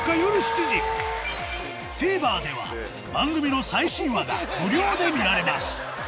ＴＶｅｒでは番組の最新話が無料で見られます